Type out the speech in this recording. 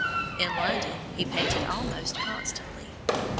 In London he painted almost constantly.